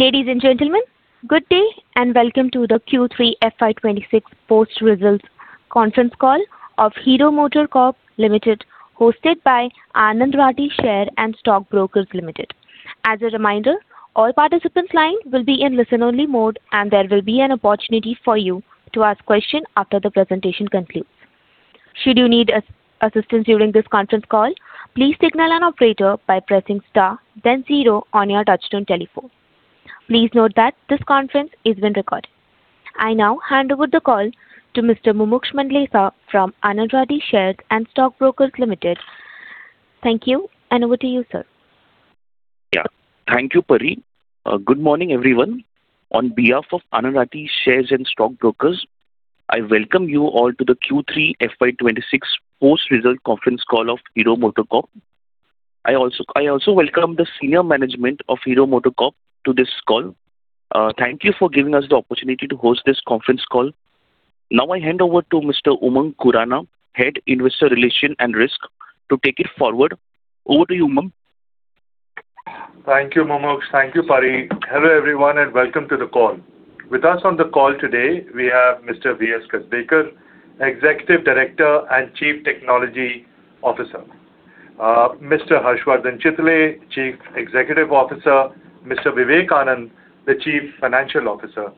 Ladies and gentlemen, good day and welcome to the Q3 FY 2026 Post-Results Conference Call of Hero MotoCorp Limited, hosted by Anand Rathi Share and Stock Brokers Limited. As a reminder, all participants' lines will be in listen-only mode and there will be an opportunity for you to ask questions after the presentation concludes. Should you need assistance during this conference call, please signal an operator by pressing star, then zero on your touch-tone telephone. Please note that this conference is being recorded. I now hand over the call to Mr. Mumuksh Mandlesa from Anand Rathi Share and Stock Brokers Limited. Thank you, and over to you, sir. Yeah. Thank you, Pari. Good morning, everyone. On behalf of Anand Rathi Share and Stock Brokers, I welcome you all to the Q3 FY 2026 Post-Results Conference Call of Hero MotoCorp. I also welcome the senior management of Hero MotoCorp to this call. Thank you for giving us the opportunity to host this conference call. Now I hand over to Mr. Umang Khurana, Head of Investor Relations and Risk, to take it forward. Over to you, Umang. Thank you, Mumuksh. Thank you, Pari. Hello everyone and welcome to the call. With us on the call today, we have Mr. Vijay Srivastava, Executive Director and Chief Technology Officer, Mr. Harshavardhan Chitale, Chief Executive Officer, Mr. Vivek Anand, the Chief Financial Officer,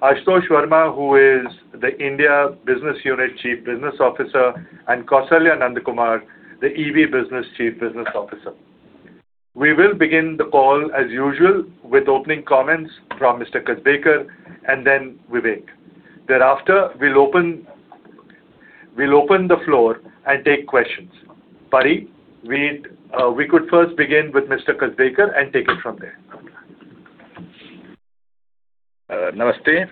Ashutosh Varma, who is the India Business Unit Chief Business Officer, and Kausalya Nandakumar, the EV Business Chief Business Officer. We will begin the call as usual with opening comments from Mr. Kasbekar and then Vivek. Thereafter, we'll open the floor and take questions. Pari, we could first begin with Mr. Kasbekar and take it from there. Namaste,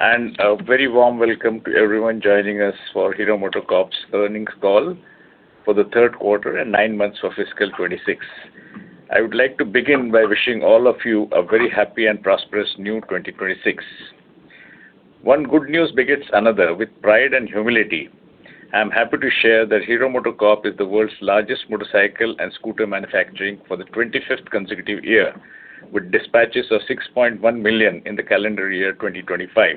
and a very warm welcome to everyone joining us for Hero MotoCorp's Earnings Call for the third quarter and nine months of fiscal 2026. I would like to begin by wishing all of you a very happy and prosperous new 2026. One good news begets another with pride and humility. I'm happy to share that Hero MotoCorp is the world's largest motorcycle and scooter manufacturer for the 25th consecutive year, with dispatches of 6.1 million in the calendar year 2025.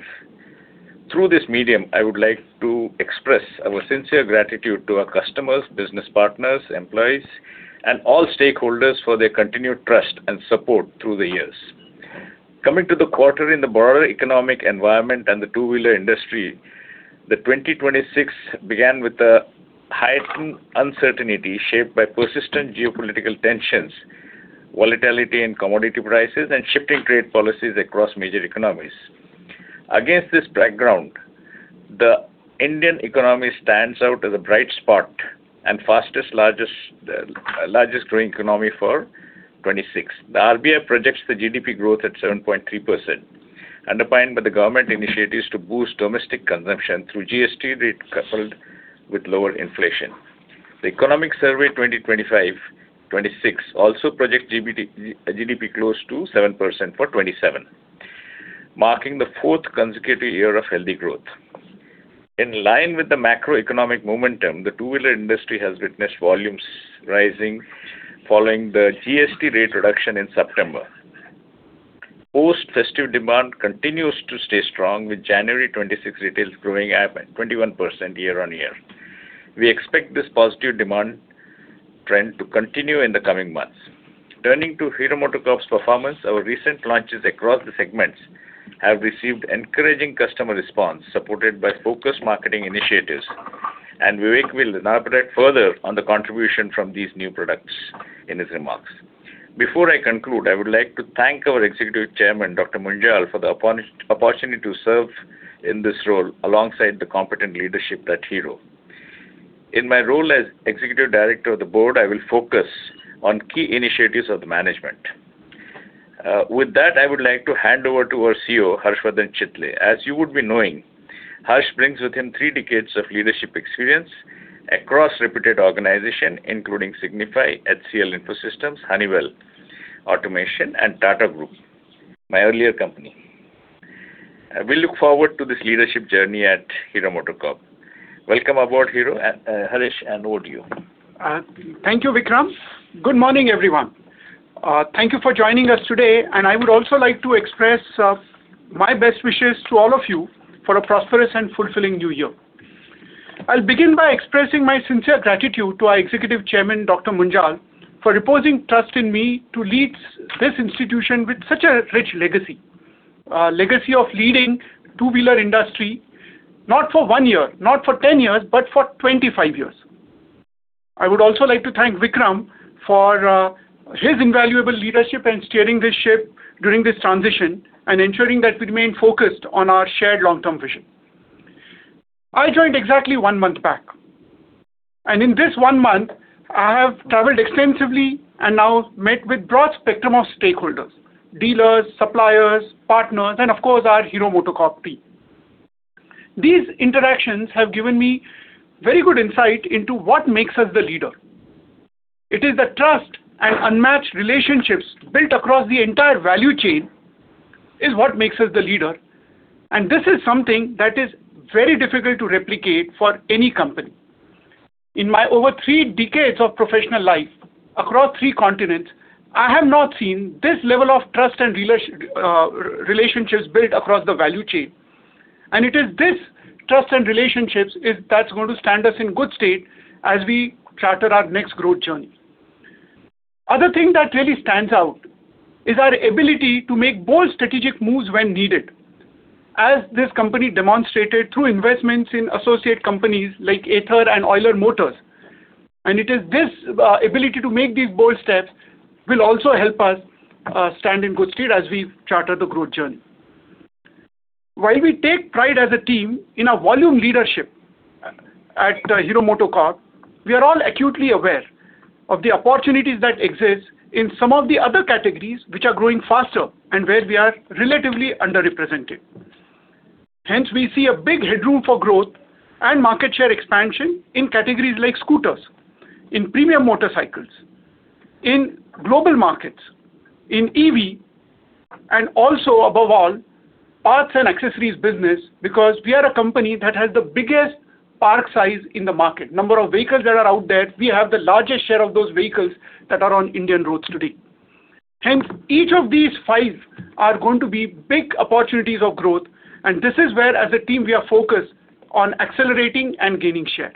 Through this medium, I would like to express our sincere gratitude to our customers, business partners, employees, and all stakeholders for their continued trust and support through the years. Coming to the quarter, in the broader economic environment and the two-wheeler industry, the 2026 began with a heightened uncertainty shaped by persistent geopolitical tensions, volatility in commodity prices, and shifting trade policies across major economies. Against this background, the Indian economy stands out as a bright spot and fastest growing economy for 2026. The RBI projects the GDP growth at 7.3%, underpinned by the government initiatives to boost domestic consumption through GST rate coupled with lower inflation. The Economic Survey 2025-2026 also projects GDP close to 7% for 2027, marking the fourth consecutive year of healthy growth. In line with the macroeconomic momentum, the two-wheeler industry has witnessed volumes rising following the GST rate reduction in September. Post-festive demand continues to stay strong, with January 2026 retails growing up 21% year-on-year. We expect this positive demand trend to continue in the coming months. Turning to Hero MotoCorp's performance, our recent launches across the segments have received encouraging customer response supported by focused marketing initiatives, and Vivek will elaborate further on the contribution from these new products in his remarks. Before I conclude, I would like to thank our Executive Chairman, Dr. Munjal, for the opportunity to serve in this role alongside the competent leadership at Hero. In my role as Executive Director of the board, I will focus on key initiatives of the management. With that, I would like to hand over to our CEO, Harshavardhan Chitale. As you would be knowing, Harsh brings with him three decades of leadership experience across reputed organizations, including Signify, HCL Infosystems, Honeywell Automation, and Tata Group, my earlier company. We look forward to this leadership journey at Hero MotoCorp. Welcome aboard, Harsh, and over to you. Thank you, Vikram. Good morning, everyone. Thank you for joining us today, and I would also like to express my best wishes to all of you for a prosperous and fulfilling new year. I'll begin by expressing my sincere gratitude to our Executive Chairman, Dr. Pawan Munjal, for reposing trust in me to lead this institution with such a rich legacy of leading the two-wheeler industry not for one year, not for 10 years, but for 25 years. I would also like to thank Vikram for his invaluable leadership in steering this ship during this transition and ensuring that we remain focused on our shared long-term vision. I joined exactly one month back, and in this one month, I have traveled extensively and now met with a broad spectrum of stakeholders: dealers, suppliers, partners, and of course, our Hero MotoCorp team. These interactions have given me very good insight into what makes us the leader. It is the trust and unmatched relationships built across the entire value chain that is what makes us the leader, and this is something that is very difficult to replicate for any company. In my over three decades of professional life across three continents, I have not seen this level of trust and relationships built across the value chain, and it is these trust and relationships that are going to stand us in good stead as we chart our next growth journey. The other thing that really stands out is our ability to make bold strategic moves when needed, as this company demonstrated through investments in associate companies like Ather and Euler Motors. It is this ability to make these bold steps that will also help us stand in good state as we charter the growth journey. While we take pride as a team in our volume leadership at Hero MotoCorp, we are all acutely aware of the opportunities that exist in some of the other categories which are growing faster and where we are relatively underrepresented. Hence, we see a big headroom for growth and market share expansion in categories like scooters, in premium motorcycles, in global markets, in EV, and also, above all, parts and accessories business because we are a company that has the biggest park size in the market. The number of vehicles that are out there, we have the largest share of those vehicles that are on Indian roads today. Hence, each of these five are going to be big opportunities of growth, and this is where, as a team, we are focused on accelerating and gaining share.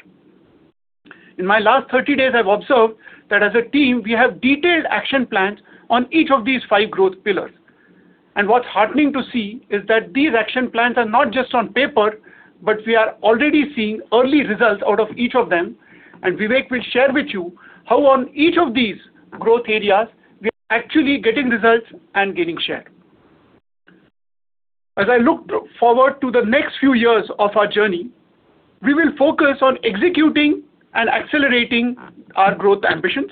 In my last 30 days, I've observed that, as a team, we have detailed action plans on each of these five growth pillars. What's heartening to see is that these action plans are not just on paper, but we are already seeing early results out of each of them, and Vivek will share with you how, on each of these growth areas, we are actually getting results and gaining share. As I look forward to the next few years of our journey, we will focus on executing and accelerating our growth ambitions.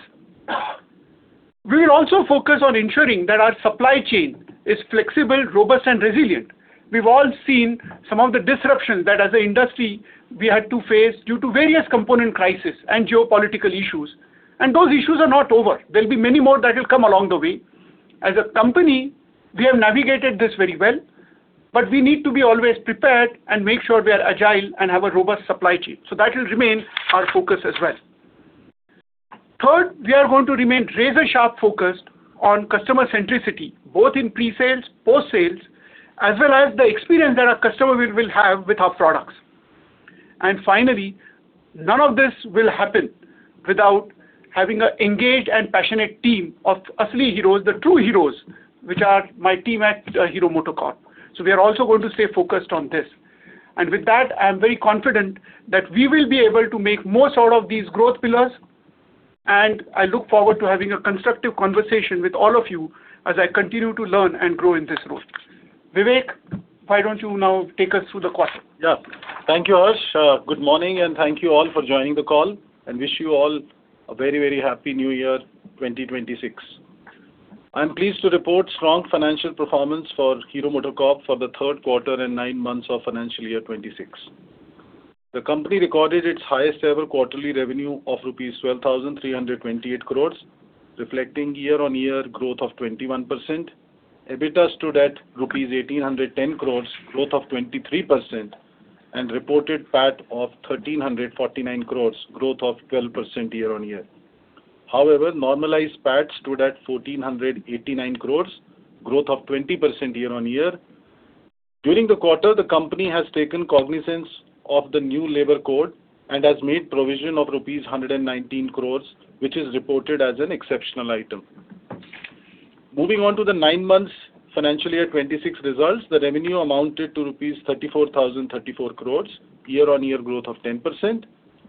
We will also focus on ensuring that our supply chain is flexible, robust, and resilient. We've all seen some of the disruptions that, as an industry, we had to face due to various component crises and geopolitical issues, and those issues are not over. There'll be many more that will come along the way. As a company, we have navigated this very well, but we need to be always prepared and make sure we are agile and have a robust supply chain. So that will remain our focus as well. Third, we are going to remain razor-sharp focused on customer centricity, both in pre-sales, post-sales, as well as the experience that our customers will have with our products. And finally, none of this will happen without having an engaged and passionate team of true heroes, which are my team at Hero MotoCorp. So we are also going to stay focused on this. With that, I'm very confident that we will be able to make more out of these growth pillars, and I look forward to having a constructive conversation with all of you as I continue to learn and grow in this role. Vivek, why don't you now take us through the quarter? Yeah. Thank you, Harsh. Good morning, and thank you all for joining the call, and wish you all a very, very happy new year, 2026. I'm pleased to report strong financial performance for Hero MotoCorp for the third quarter and nine months of financial year 2026. The company recorded its highest-ever quarterly revenue of rupees 12,328 crores, reflecting year-on-year growth of 21%. EBITDA stood at rupees 1,810 crores, growth of 23%, and reported PAT of 1,349 crores, growth of 12% year-on-year. However, normalized PAT stood at 1,489 crores, growth of 20% year-on-year. During the quarter, the company has taken cognizance of the new labor code and has made provision of rupees 119 crores, which is reported as an exceptional item. Moving on to the nine-months financial year 2026 results, the revenue amounted to 34,034 crores rupees, year-on-year growth of 10%,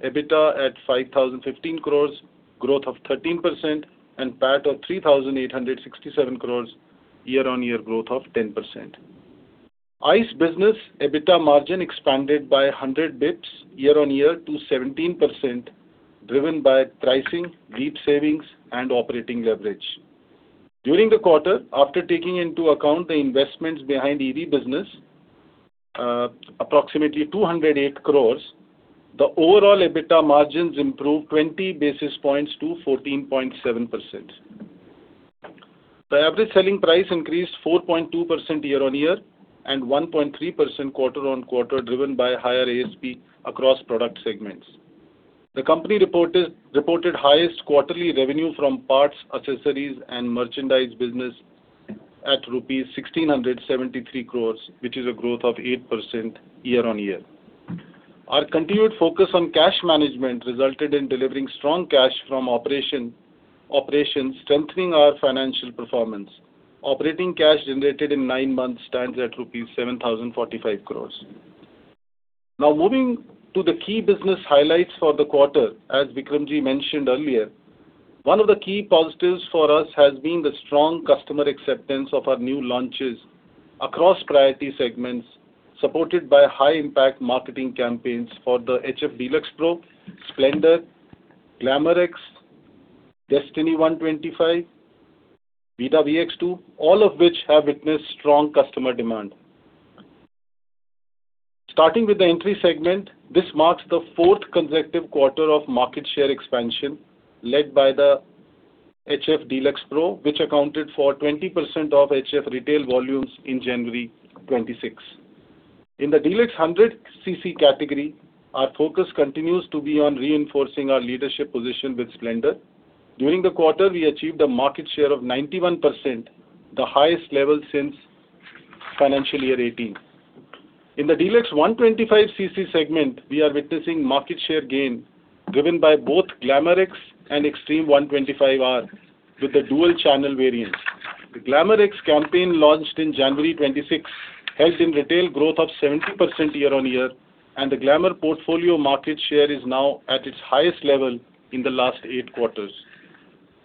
EBITDA at 5,015 crores, growth of 13%, and PAT of 3,867 crores, year-on-year growth of 10%. ICE Business EBITDA margin expanded by 100 basis points year-on-year to 17%, driven by pricing, LEAP savings, and operating leverage. During the quarter, after taking into account the investments behind EV business, approximately 208 crores, the overall EBITDA margins improved 20 basis points to 14.7%. The average selling price increased 4.2% year-on-year and 1.3% quarter-on-quarter, driven by higher ASP across product segments. The company reported highest quarterly revenue from parts, accessories, and merchandise business at rupees 1,673 crores, which is a growth of 8% year-on-year. Our continued focus on cash management resulted in delivering strong cash from operations, strengthening our financial performance. Operating cash generated in nine months stands at rupees 7,045 crores. Now, moving to the key business highlights for the quarter, as Vikramji mentioned earlier, one of the key positives for us has been the strong customer acceptance of our new launches across priority segments, supported by high-impact marketing campaigns for the HF Deluxe Pro, Splendor, Glamour, Destini 125, VIDA Vida V1 Pro, all of which have witnessed strong customer demand. Starting with the entry segment, this marks the fourth consecutive quarter of market share expansion led by the HF Deluxe Pro, which accounted for 20% of HF retail volumes in January 2026. In the Deluxe 100cc category, our focus continues to be on reinforcing our leadership position with Splendor. During the quarter, we achieved a market share of 91%, the highest level since financial year 2018. In the Deluxe 125cc segment, we are witnessing market share gain driven by both Glamour and Xtreme 125R with the dual-channel variant. The Glamour campaign launched in January 2026 helped in retail growth of 70% year-on-year, and the Glamour portfolio market share is now at its highest level in the last eight quarters.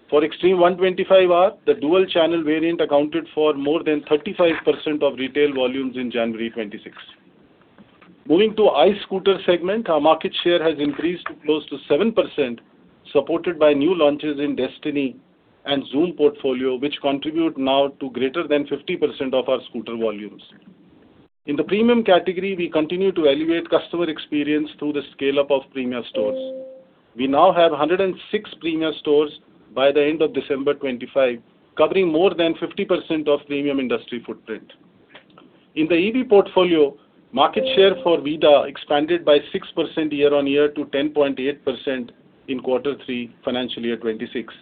For Xtreme 125R, the dual-channel variant accounted for more than 35% of retail volumes in January 2026. Moving to the ICE scooter segment, our market share has increased close to 7%, supported by new launches in Destini and Xoom portfolio, which contribute now to greater than 50% of our scooter volumes. In the premium category, we continue to elevate customer experience through the scale-up of Premium stores. We now have 106 Premium stores by the end of December 2025, covering more than 50% of premium industry footprint. In the EV portfolio, market share for VIDA expanded by 6% year-on-year to 10.8% in quarter three financial year 2026,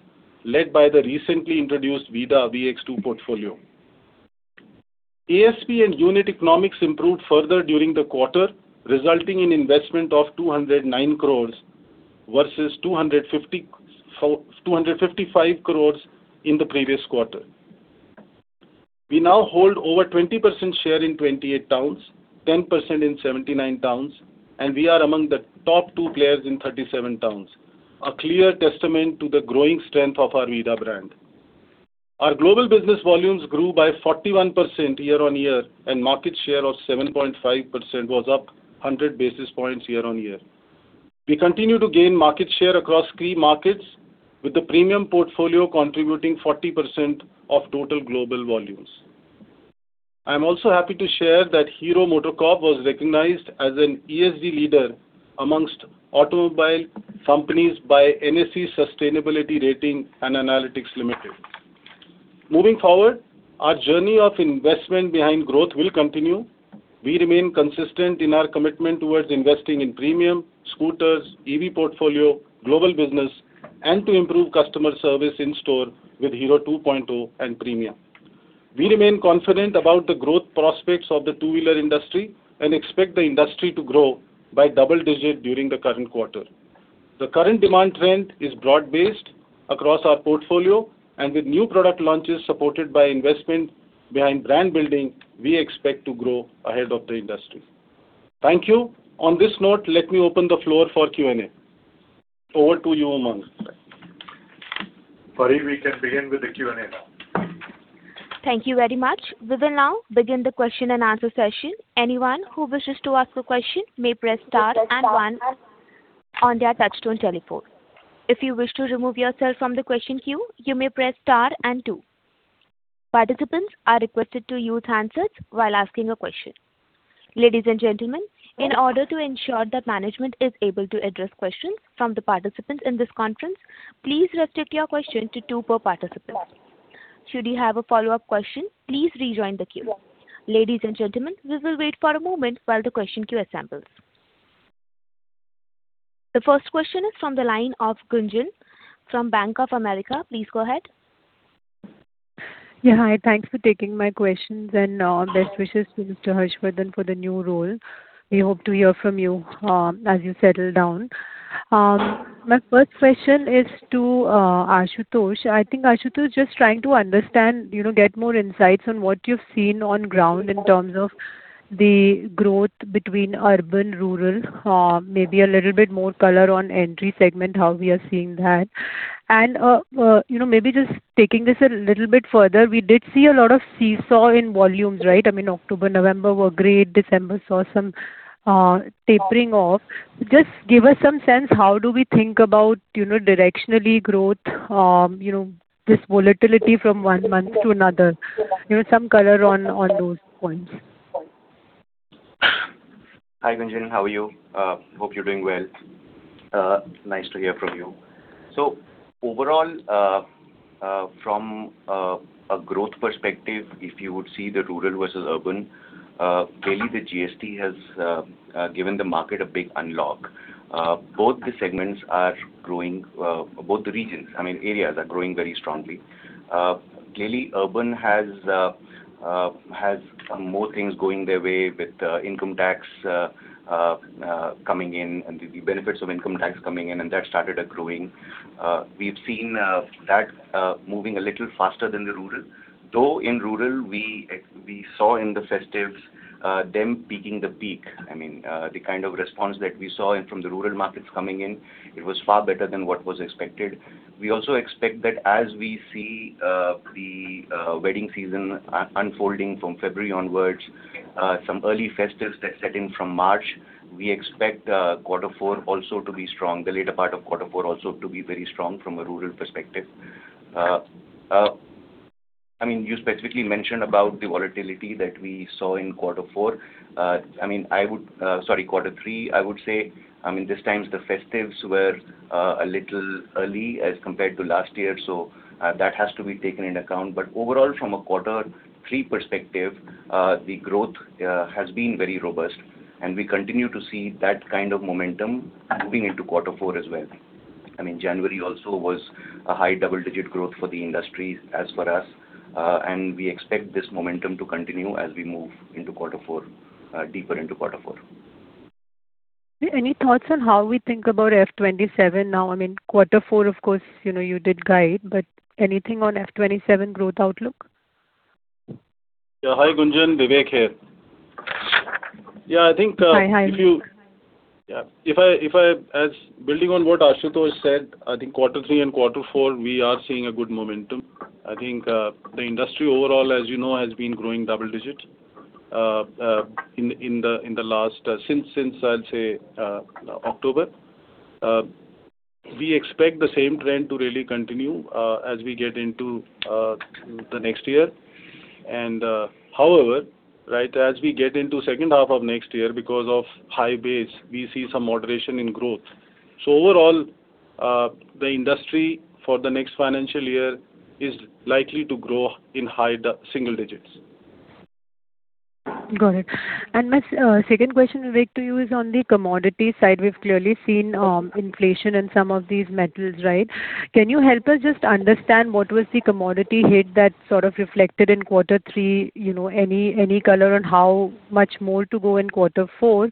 led by the recently introduced VIDA Vida V1 Pro portfolio. ASP and unit economics improved further during the quarter, resulting in investment of 209 crores versus 255 crores in the previous quarter. We now hold over 20% share in 28 towns, 10% in 79 towns, and we are among the top two players in 37 towns, a clear testament to the growing strength of our VIDA brand. Our global business volumes grew by 41% year-on-year, and market share of 7.5% was up 100 basis points year-on-year. We continue to gain market share across three markets, with the premium portfolio contributing 40% of total global volumes. I'm also happy to share that Hero MotoCorp was recognized as an ESG leader among automobile companies by NSE Sustainability Rating and Analytics Limited. Moving forward, our journey of investment behind growth will continue. We remain consistent in our commitment towards investing in premium scooters, EV portfolio, global business, and to improve customer service in-store with Hero 2.0 and Premier. We remain confident about the growth prospects of the two-wheeler industry and expect the industry to grow by double digit during the current quarter. The current demand trend is broad-based across our portfolio, and with new product launches supported by investment behind brand building, we expect to grow ahead of the industry. Thank you. On this note, let me open the floor for Q&A. Over to you, Umang. Farid, we can begin with the Q&A now. Thank you very much. We will now begin the question-and-answer session. Anyone who wishes to ask a question may press star and one on their touch-tone telephone. If you wish to remove yourself from the question queue, you may press star and two. Participants are requested to use handset while asking a question. Ladies and gentlemen, in order to ensure that management is able to address questions from the participants in this conference, please restrict your question to two per participant. Should you have a follow-up question, please rejoin the queue. Ladies and gentlemen, we will wait for a moment while the question queue assembles. The first question is from the line of Gunjan from Bank of America. Please go ahead. Yeah. Hi. Thanks for taking my questions, and best wishes to Mr. Harshavardhan for the new role. We hope to hear from you as you settle down. My first question is to Ashutosh. I think Ashutosh is just trying to get more insights on what you've seen on ground in terms of the growth between urban, rural, maybe a little bit more color on entry segment, how we are seeing that. And maybe just taking this a little bit further, we did see a lot of seesaw in volumes, right? I mean, October, November were great. December saw some tapering off. Just give us some sense. How do we think about directionally growth, this volatility from one month to another? Some color on those points. Hi, Gunjan. How are you? Hope you're doing well. Nice to hear from you. So overall, from a growth perspective, if you would see the rural versus urban, clearly, the GST has given the market a big unlock. Both the segments are growing both the regions, I mean, areas are growing very strongly. Clearly, urban has more things going their way with income tax coming in and the benefits of income tax coming in, and that started growing. We've seen that moving a little faster than the rural. Though in rural, we saw in the festives them peaking the peak. I mean, the kind of response that we saw from the rural markets coming in, it was far better than what was expected. We also expect that as we see the wedding season unfolding from February onwards, some early festives that set in from March, we expect quarter four also to be strong, the later part of quarter four also to be very strong from a rural perspective. I mean, you specifically mentioned about the volatility that we saw in quarter four. I mean, I would sorry, quarter three, I would say. I mean, this time, the festives were a little early as compared to last year, so that has to be taken into account. But overall, from a quarter three perspective, the growth has been very robust, and we continue to see that kind of momentum moving into quarter four as well. I mean, January also was a high double-digit growth for the industry as for us, and we expect this momentum to continue as we move deeper into quarter four. Any thoughts on how we think about FY 2027 now? I mean, quarter four, of course, you did guide, but anything on FY 2027 growth outlook? Yeah. Hi, Gunjan. Vivek here. Yeah. I think, yeah. Building on what Ashutosh said, I think quarter three and quarter four, we are seeing a good momentum. I think the industry overall, as you know, has been growing double-digit since I'd say October. We expect the same trend to really continue as we get into the next year. However, right, as we get into second half of next year because of high base, we see some moderation in growth. So overall, the industry for the next financial year is likely to grow in high single digits. Got it. And my second question, Vivek, to you is on the commodity side. We've clearly seen inflation in some of these metals, right? Can you help us just understand what was the commodity hit that sort of reflected in quarter three, any color on how much more to go in quarter four,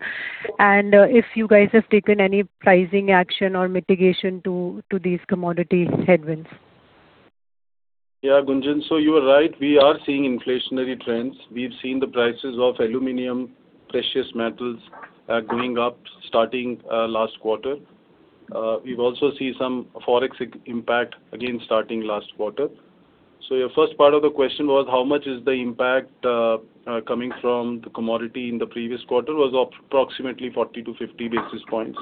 and if you guys have taken any pricing action or mitigation to these commodity headwinds? Yeah. Gunjan, so you are right. We are seeing inflationary trends. We've seen the prices of aluminum, precious metals going up starting last quarter. We've also seen some forex impact again starting last quarter. So your first part of the question was, how much is the impact coming from the commodity in the previous quarter? It was approximately 40-50 basis points.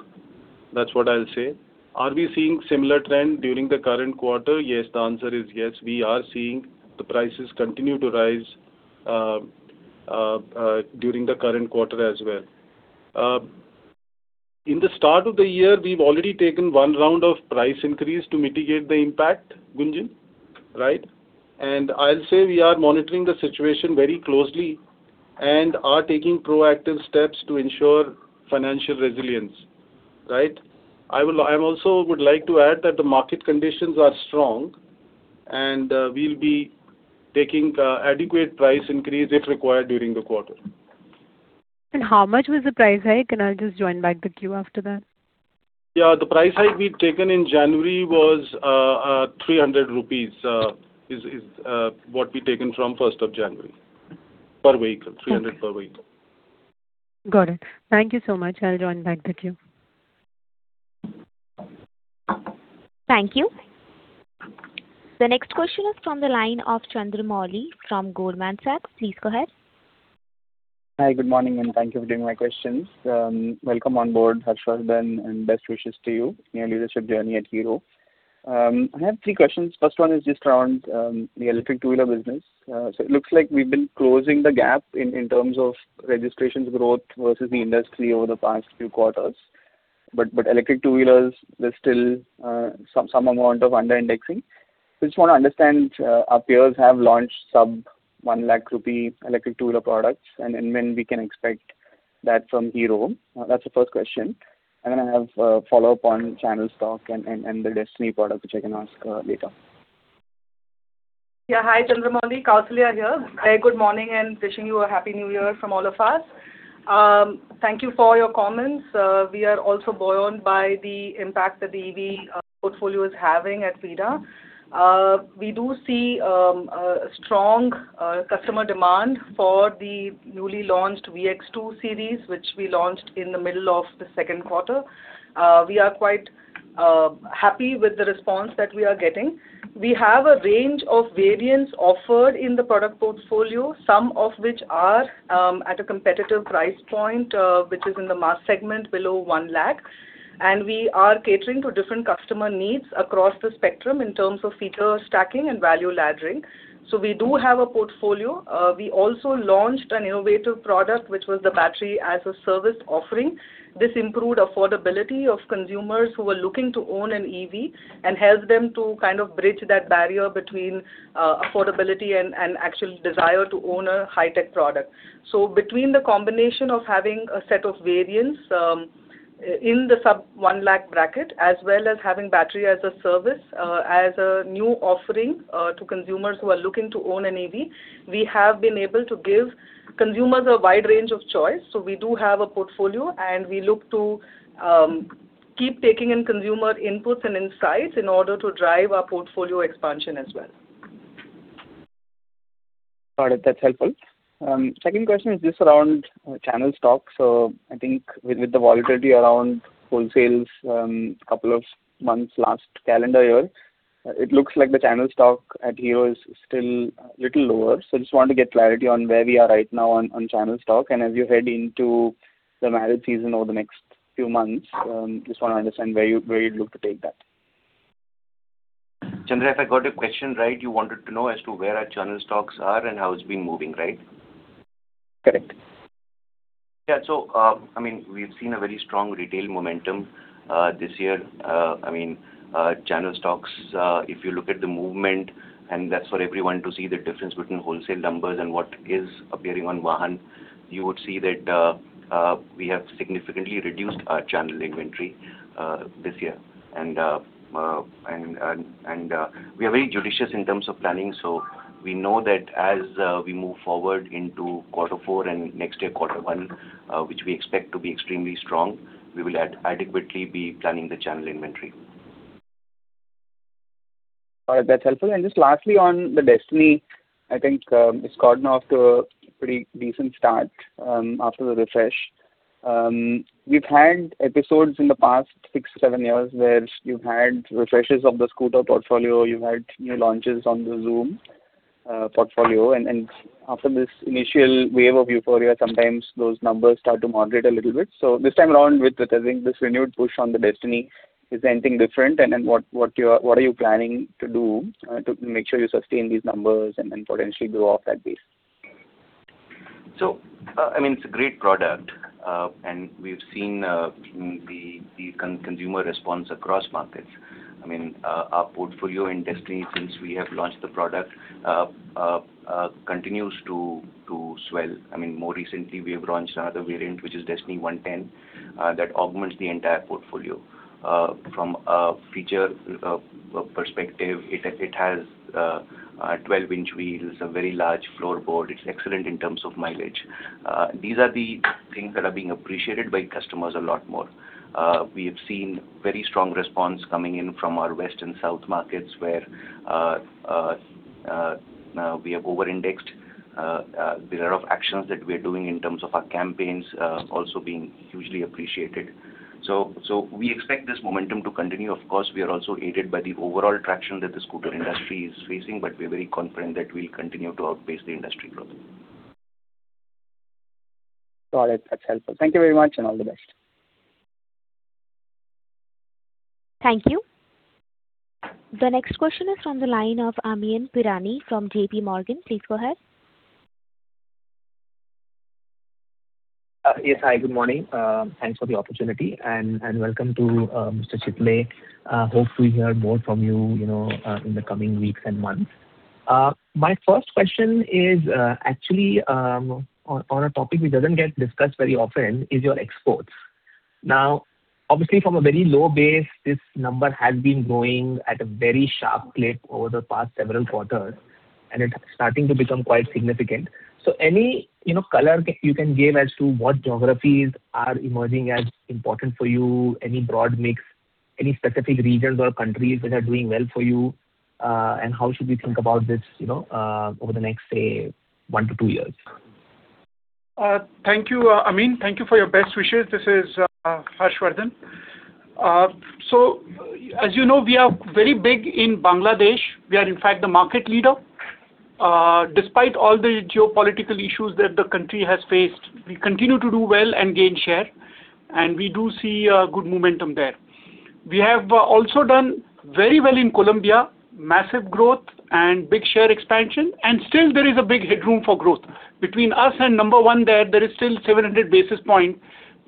That's what I'll say. Are we seeing a similar trend during the current quarter? Yes. The answer is yes. We are seeing the prices continue to rise during the current quarter as well. In the start of the year, we've already taken one round of price increase to mitigate the impact, Gunjan, right? I'll say we are monitoring the situation very closely and are taking proactive steps to ensure financial resilience, right? I also would like to add that the market conditions are strong, and we'll be taking adequate price increase if required during the quarter. How much was the price hike? And I'll just join back the queue after that. Yeah. The price hike we'd taken in January was 300 rupees, is what we'd taken from first of January per vehicle, 300 per vehicle. Got it. Thank you so much. I'll join back the queue. Thank you. The next question is from the line of Chandramouli from Goldman Sachs. Please go ahead. Hi. Good morning, and thank you for doing my questions. Welcome on board, Harshavardhan, and best wishes to you in your leadership journey at Hero. I have three questions. First one is just around the electric two-wheeler business. So it looks like we've been closing the gap in terms of registrations growth versus the industry over the past few quarters, but electric two-wheelers, there's still some amount of underindexing. I just want to understand, our peers have launched sub-INR 100,000 electric two-wheeler products, and when we can expect that from Hero. That's the first question. And then I have a follow-up on Channelstock and the Destini product, which I can ask later. Yeah. Hi, Chandramouli. Kausalya here. Good morning and wishing you a Happy New Year from all of us. Thank you for your comments. We are also buoyant by the impact that the EV portfolio is having at VIDA. We do see a strong customer demand for the newly launched Vida V1 Pro series, which we launched in the middle of the second quarter. We are quite happy with the response that we are getting. We have a range of variants offered in the product portfolio, some of which are at a competitive price point, which is in the mass segment below 1 lakh. And we are catering to different customer needs across the spectrum in terms of feature stacking and value laddering. So we do have a portfolio. We also launched an innovative product, which was the battery as a service offering. This improved affordability of consumers who were looking to own an EV and helped them to kind of bridge that barrier between affordability and actual desire to own a high-tech product. So between the combination of having a set of variants in the sub-INR 1 lakh bracket as well as having battery as a service as a new offering to consumers who are looking to own an EV, we have been able to give consumers a wide range of choice. So we do have a portfolio, and we look to keep taking in consumer inputs and insights in order to drive our portfolio expansion as well. Got it. That's helpful. Second question is just around channel stock. So I think with the volatility around wholesales a couple of months last calendar year, it looks like the channel stock at Hero is still a little lower. So I just wanted to get clarity on where we are right now on channel stock. And as you head into the marriage season over the next few months, I just want to understand where you'd look to take that. Chandra, if I got your question right, you wanted to know as to where our channel stocks are and how it's been moving, right? Correct. Yeah. So I mean, we've seen a very strong retail momentum this year. I mean, channel stocks, if you look at the movement, and that's for everyone to see the difference between wholesale numbers and what is appearing on Vahan, you would see that we have significantly reduced our channel inventory this year. And we are very judicious in terms of planning. So we know that as we move forward into quarter four and next year, quarter one, which we expect to be extremely strong, we will adequately be planning the channel inventory. Got it. That's helpful. And just lastly, on the Destini, I think it's gotten off to a pretty decent start after the refresh. We've had episodes in the past six, seven years where you've had refreshes of the scooter portfolio. You've had new launches on the Xoom portfolio. And after this initial wave of euphoria, sometimes those numbers start to moderate a little bit. So this time around, I think this renewed push on the Destini is anything different? And then what are you planning to do to make sure you sustain these numbers and then potentially grow off that base? So I mean, it's a great product, and we've seen the consumer response across markets. I mean, our portfolio in Destini, since we have launched the product, continues to swell. I mean, more recently, we have launched another variant, which is Destini 110, that augments the entire portfolio. From a feature perspective, it has 12-inch wheels, a very large floorboard. It's excellent in terms of mileage. These are the things that are being appreciated by customers a lot more. We have seen very strong response coming in from our west and south markets where we have overindexed. There are a lot of actions that we are doing in terms of our campaigns also being hugely appreciated. So we expect this momentum to continue. Of course, we are also aided by the overall traction that the scooter industry is facing, but we're very confident that we'll continue to outpace the industry growth. Got it. That's helpful. Thank you very much, and all the best. Thank you. The next question is from the line of Amyn Pirani from JPMorgan. Please go ahead. Yes. Hi. Good morning. Thanks for the opportunity, and welcome to Mr. Chitale. Hope to hear more from you in the coming weeks and months. My first question is actually on a topic which doesn't get discussed very often, is your exports. Now, obviously, from a very low base, this number has been growing at a very sharp clip over the past several quarters, and it's starting to become quite significant. So any color you can give as to what geographies are emerging as important for you, any broad mix, any specific regions or countries which are doing well for you, and how should we think about this over the next, say, one to two years? Thank you. Amir, thank you for your best wishes. This is Harshavardhan. So as you know, we are very big in Bangladesh. We are, in fact, the market leader. Despite all the geopolitical issues that the country has faced, we continue to do well and gain share, and we do see good momentum there. We have also done very well in Colombia, massive growth and big share expansion. And still, there is a big headroom for growth. Between us and number one there, there is still 700 basis points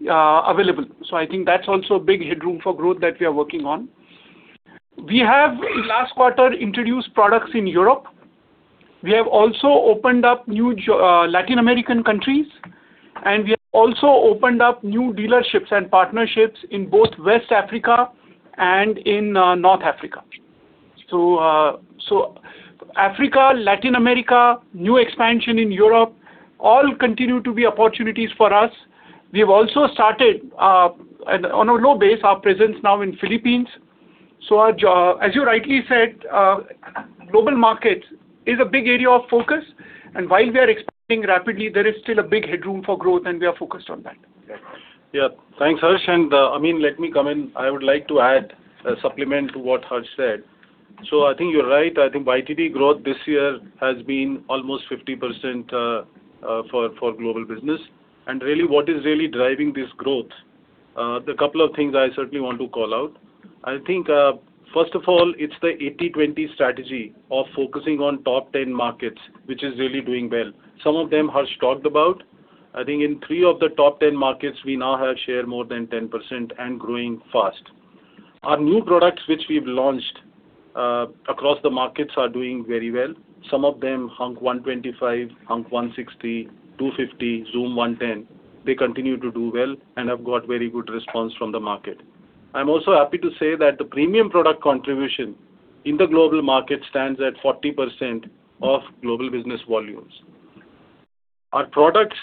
available. So I think that's also a big headroom for growth that we are working on. We have, in last quarter, introduced products in Europe. We have also opened up new Latin American countries, and we have also opened up new dealerships and partnerships in both West Africa and in North Africa. So Africa, Latin America, new expansion in Europe, all continue to be opportunities for us. We have also started, on a low base, our presence now in Philippines. So as you rightly said, global markets is a big area of focus. And while we are expanding rapidly, there is still a big headroom for growth, and we are focused on that. Yeah. Thanks, Harsh. And Amir, let me come in. I would like to add a supplement to what Harsh said. So I think you're right. I think YTD growth this year has been almost 50% for global business. And really, what is really driving this growth? A couple of things I certainly want to call out. I think, first of all, it's the 80/20 strategy of focusing on top 10 markets, which is really doing well. Some of them Harsh talked about. I think in three of the top 10 markets, we now have share more than 10% and growing fast. Our new products, which we've launched across the markets, are doing very well. Some of them Hunk 125, Hunk 160, 250, Xoom 110, they continue to do well and have got very good response from the market. I'm also happy to say that the premium product contribution in the global market stands at 40% of global business volumes. Our products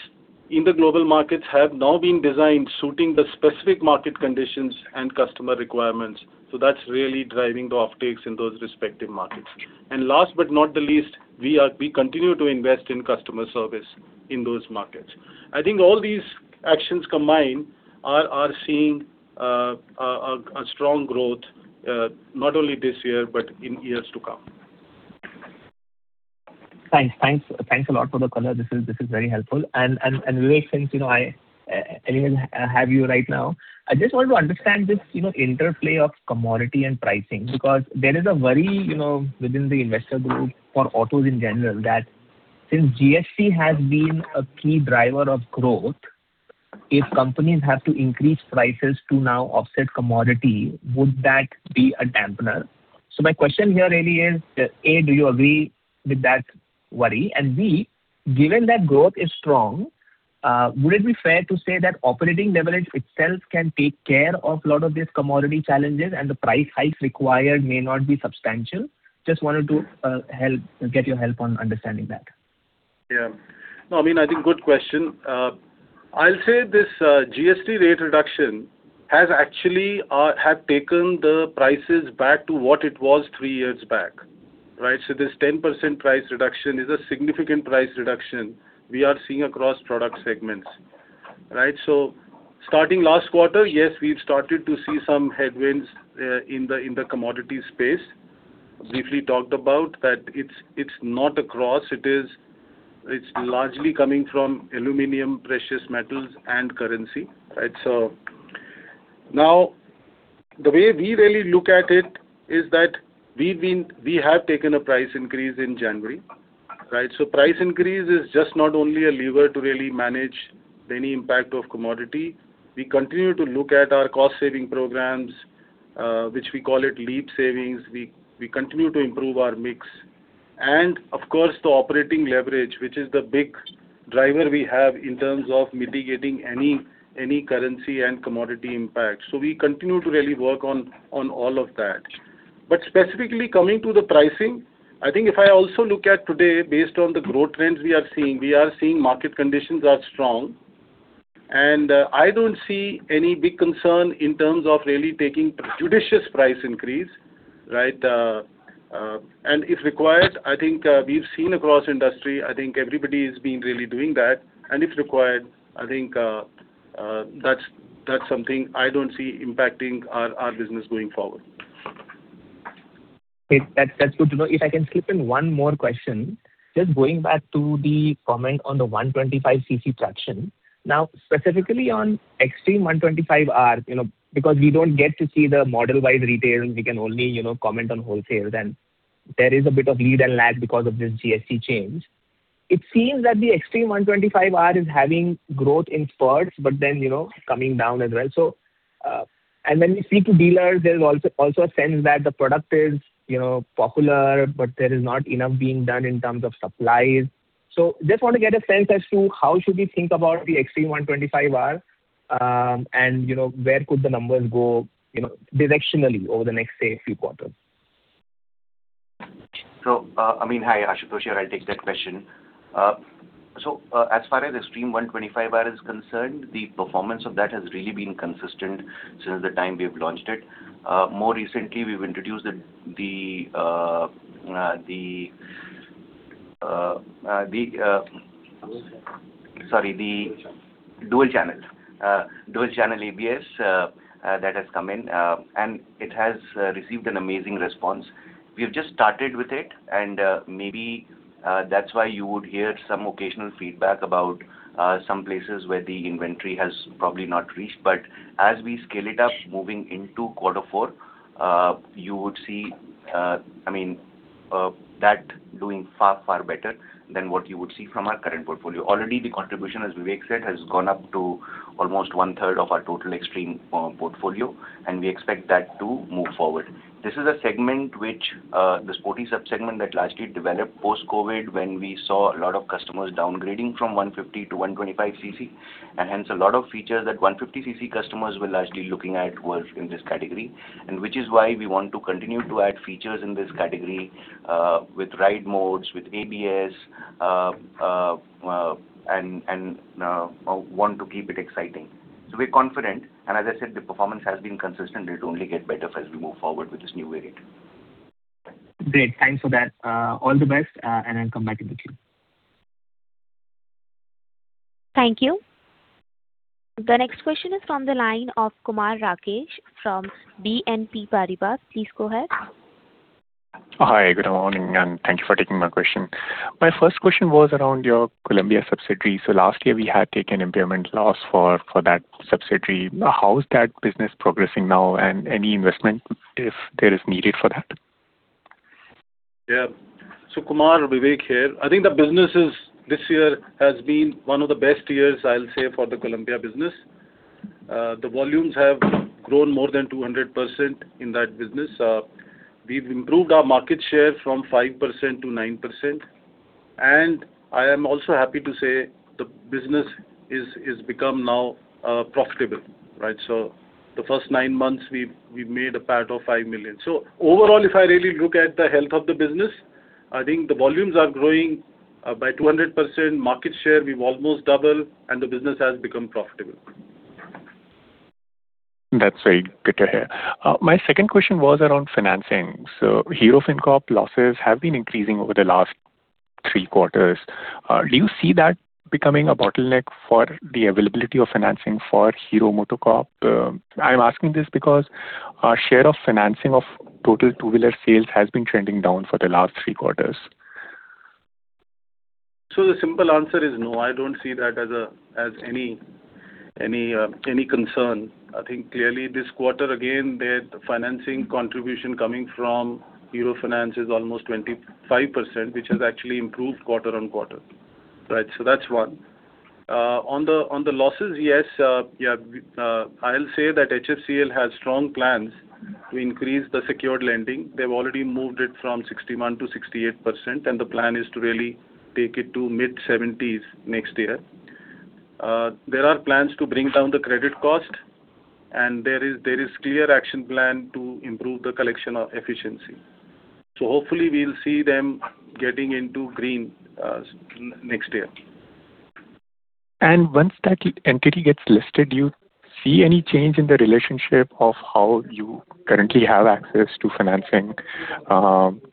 in the global markets have now been designed suiting the specific market conditions and customer requirements. So that's really driving the uptake in those respective markets. Last but not the least, we continue to invest in customer service in those markets. I think all these actions combined are seeing a strong growth not only this year but in years to come. Thanks. Thanks a lot for the color. This is very helpful. And Vivek, since I have you right now, I just want to understand this interplay of commodity and pricing because there is a worry within the investor group for autos in general that since GSC has been a key driver of growth, if companies have to increase prices to now offset commodity, would that be a dampener? So my question here really is, A, do you agree with that worry? And B, given that growth is strong, would it be fair to say that operating leverage itself can take care of a lot of these commodity challenges and the price hikes required may not be substantial? Just wanted to get your help on understanding that. Yeah. No, Amir, I think good question. I'll say this GST rate reduction has actually taken the prices back to what it was three years back, right? So this 10% price reduction is a significant price reduction we are seeing across product segments, right? So starting last quarter, yes, we've started to see some headwinds in the commodity space. Briefly talked about that it's not across. It's largely coming from aluminum, precious metals, and currency, right? So now, the way we really look at it is that we have taken a price increase in January, right? So price increase is just not only a lever to really manage any impact of commodity. We continue to look at our cost-saving programs, which we call it LEAP savings. We continue to improve our mix. And of course, the operating leverage, which is the big driver we have in terms of mitigating any currency and commodity impact. So we continue to really work on all of that. But specifically coming to the pricing, I think if I also look at today, based on the growth trends we are seeing, we are seeing market conditions are strong. And I don't see any big concern in terms of really taking judicious price increase, right? And if required, I think we've seen across industry, I think everybody is being really doing that. And if required, I think that's something I don't see impacting our business going forward. That's good to know. If I can slip in one more question, just going back to the comment on the 125cc traction. Now, specifically on Xtreme 125R, because we don't get to see the model-wide retail and we can only comment on wholesales, and there is a bit of lead and lag because of this GSC change, it seems that the Xtreme 125R is having growth in spurts but then coming down as well. And when we speak to dealers, there is also a sense that the product is popular, but there is not enough being done in terms of supplies. So just want to get a sense as to how should we think about the Xtreme 125R and where could the numbers go directionally over the next, say, few quarters? So, Amir, hi, Ashutosh here. I'll take that question. So, as far as Xtreme 125R is concerned, the performance of that has really been consistent since the time we have launched it. More recently, we've introduced the sorry, the dual-channel ABS that has come in, and it has received an amazing response. We have just started with it, and maybe that's why you would hear some occasional feedback about some places where the inventory has probably not reached. But as we scale it up moving into quarter four, you would see, I mean, that doing far, far better than what you would see from our current portfolio. Already, the contribution, as Vivek said, has gone up to almost one-third of our total Xtreme portfolio, and we expect that to move forward. This is a segment, which the sporty subsegment that largely developed post-COVID when we saw a lot of customers downgrading from 150 to 125cc. Hence, a lot of features that 150cc customers were largely looking at were in this category, and which is why we want to continue to add features in this category with ride modes, with ABS, and want to keep it exciting. We're confident. As I said, the performance has been consistent. It'll only get better as we move forward with this new variant. Great. Thanks for that. All the best, and I'll come back in the queue. Thank you. The next question is from the line of Kumar Rakesh from BNP Paribas. Please go ahead. Hi. Good morning, and thank you for taking my question. My first question was around your Colombia subsidiary. Last year, we had taken impairment loss for that subsidiary. How is that business progressing now and any investment if there is needed for that? Yeah. So Kumar, Vivek here. I think the business this year has been one of the best years, I'll say, for the Colombia business. The volumes have grown more than 200% in that business. We've improved our market share from 5%-9%. And I am also happy to say the business has become now profitable, right? So the first nine months, we made a PAT of $5 million. So overall, if I really look at the health of the business, I think the volumes are growing by 200%. Market share, we've almost doubled, and the business has become profitable. That's very good to hear. My second question was around financing. So Hero FinCorp losses have been increasing over the last three quarters. Do you see that becoming a bottleneck for the availability of financing for Hero MotoCorp? I'm asking this because share of financing of total two-wheeler sales has been trending down for the last three quarters. So the simple answer is no. I don't see that as any concern. I think clearly, this quarter, again, the financing contribution coming from Hero FinCorp is almost 25%, which has actually improved quarter-on-quarter, right? So that's one. On the losses, yes. Yeah. I'll say that Hero FinCorp has strong plans to increase the secured lending. They've already moved it from 61% to 68%, and the plan is to really take it to mid-70s% next year. There are plans to bring down the credit cost, and there is a clear action plan to improve the collection efficiency. So hopefully, we'll see them getting into green next year. Once that entity gets listed, do you see any change in the relationship of how you currently have access to financing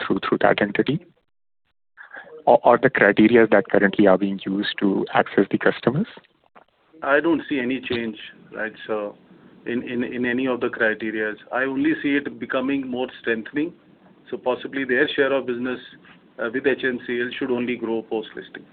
through that entity or the criteria that currently are being used to access the customers? I don't see any change, right, in any of the criteria. I only see it becoming more strengthening. So possibly, their share of business with HFCL should only grow post-listing.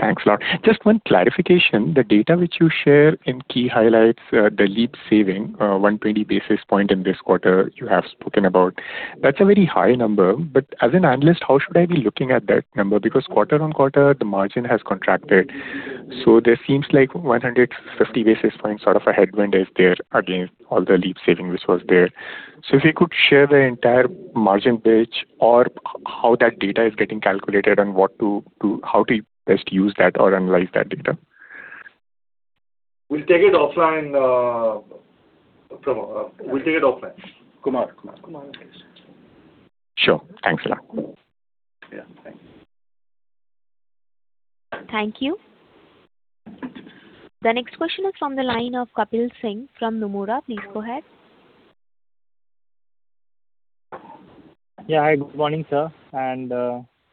Thanks a lot. Just one clarification. The data which you share in key highlights the LEAP savings, 120 basis points in this quarter, you have spoken about. That's a very high number. But as an analyst, how should I be looking at that number? Because quarter-on-quarter, the margin has contracted. So there seems like 150 basis points sort of a headwind is there against all the LEAP savings which was there. So if you could share the entire margin pitch or how that data is getting calculated and how to best use that or analyze that data. We'll take it offline. We'll take it offline. Kumar. Kumar. Kumar. Sure. Thanks a lot. Yeah. Thanks. Thank you. The next question is from the line of Kapil Singh from Nomura. Please go ahead. Yeah. Hi. Good morning, sir. And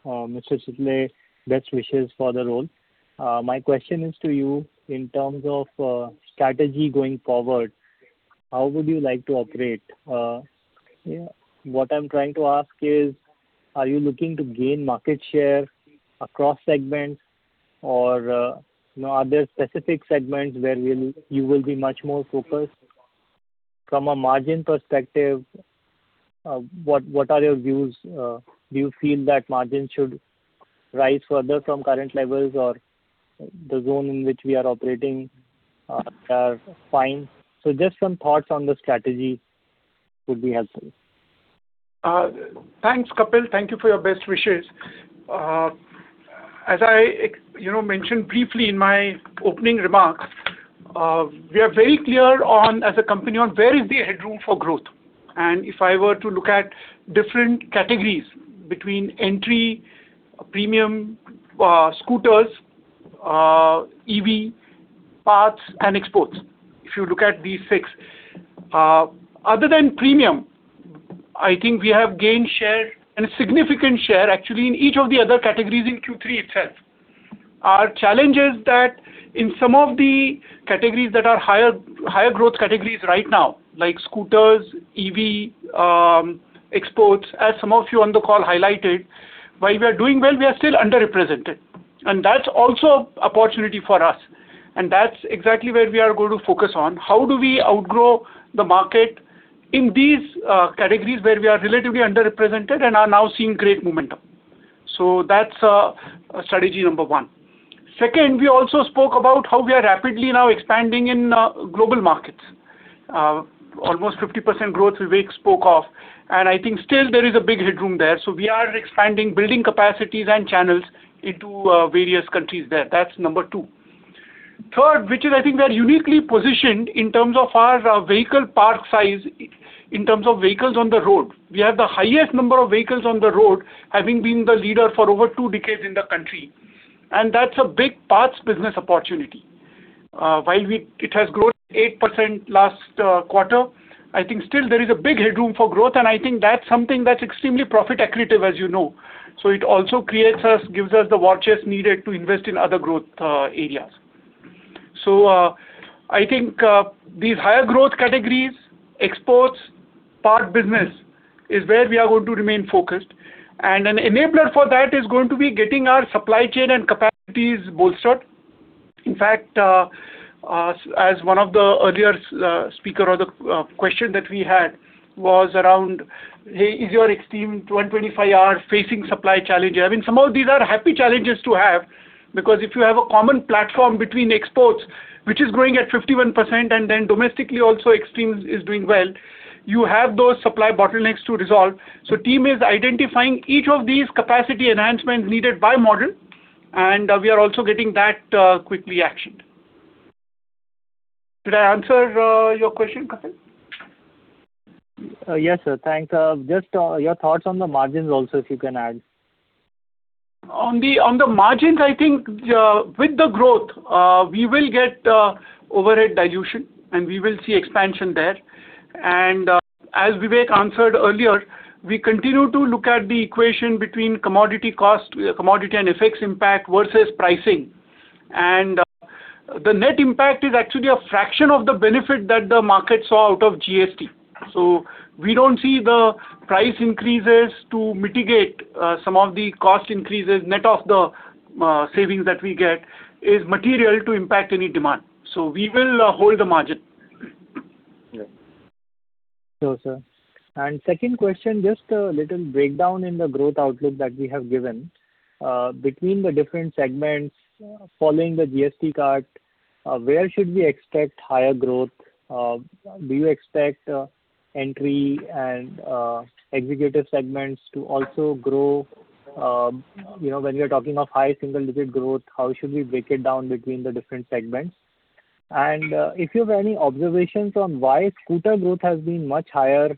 Mr. Chitale, best wishes for the role. My question is to you, in terms of strategy going forward, how would you like to operate? What I'm trying to ask is, are you looking to gain market share across segments, or are there specific segments where you will be much more focused? From a margin perspective, what are your views? Do you feel that margins should rise further from current levels, or the zone in which we are operating is fine? So just some thoughts on the strategy would be helpful. Thanks, Kapil. Thank you for your best wishes. As I mentioned briefly in my opening remarks, we are very clear as a company on where is the headroom for growth. If I were to look at different categories between entry, premium scooters, EV, parts, and exports, if you look at these six, other than premium, I think we have gained share and a significant share, actually, in each of the other categories in Q3 itself. Our challenge is that in some of the categories that are higher growth categories right now, like scooters, EV, exports, as some of you on the call highlighted, while we are doing well, we are still underrepresented. That's also an opportunity for us. That's exactly where we are going to focus on. How do we outgrow the market in these categories where we are relatively underrepresented and are now seeing great momentum? That's strategy number one. Second, we also spoke about how we are rapidly now expanding in global markets. Almost 50% growth, Vivek spoke of. I think still, there is a big headroom there. So we are expanding, building capacities and channels into various countries there. That's number two. Third, which is I think we are uniquely positioned in terms of our vehicle park size, in terms of vehicles on the road. We have the highest number of vehicles on the road, having been the leader for over two decades in the country. That's a big parts business opportunity. While it has grown 8% last quarter, I think still, there is a big headroom for growth. I think that's something that's extremely profit-accretive, as you know. So it also gives us the wherewithal needed to invest in other growth areas. So I think these higher growth categories, exports, part business is where we are going to remain focused. And an enabler for that is going to be getting our supply chain and capacities bolstered. In fact, as one of the earlier speakers or the question that we had was around, "Hey, is your Xtreme 125R facing supply challenges?" I mean, some of these are happy challenges to have because if you have a common platform between exports, which is growing at 51%, and then domestically also, Xtreme is doing well, you have those supply bottlenecks to resolve. So the team is identifying each of these capacity enhancements needed by model, and we are also getting that quickly actioned. Did I answer your question, Kapil? Yes, sir. Thanks. Just your thoughts on the margins also, if you can add. On the margins, I think with the growth, we will get overhead dilution, and we will see expansion there. As Vivek answered earlier, we continue to look at the equation between commodity cost, commodity and forex impact versus pricing. The net impact is actually a fraction of the benefit that the market saw out of GST. So we don't see the price increases to mitigate some of the cost increases net off the savings that we get is material to impact any demand. So we will hold the margin. Sure, sir. And second question, just a little breakdown in the growth outlook that we have given between the different segments following the GST cut, where should we expect higher growth? Do you expect entry and executive segments to also grow? When you're talking of high single-digit growth, how should we break it down between the different segments? And if you have any observations on why scooter growth has been much higher